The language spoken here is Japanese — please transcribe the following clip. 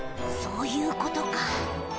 そういうことか。